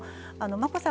眞子さん